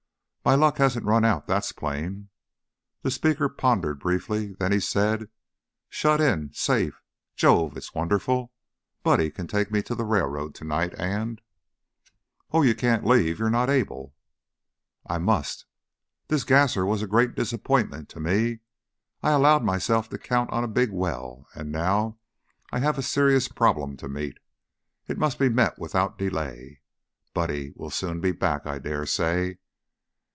My luck hasn't run out, that's plain." The speaker pondered briefly, then he said: "Shut in! Safe! Jove, it's wonderful! Buddy can take me to the railroad to night and " "Oh, you can't leave. You're not able." "I must. This gasser was a great disappointment to me. I allowed myself to count on a big well, and now I have a serious problem to meet. It must be met without delay. Buddy will soon be back, I dare say?"